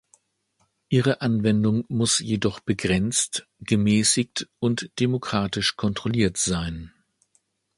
Ihre Anwendung muss jedoch begrenzt, gemäßigt und demokratisch kontrolliert sein.